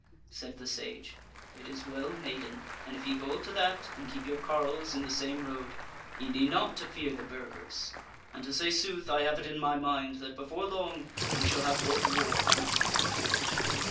Said the Sage "It is well, maiden, and if ye hold to that, and keep your carles in the same road, ye need not to fear the Burgers: and to say sooth, I have it in my mind, that before long ye shall have both war and victory."